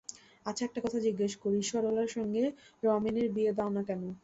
আচ্ছা, একটা কথা জিজ্ঞাসা করি, সরলার সঙ্গে রমেনের বিয়ে দাও-না কেন।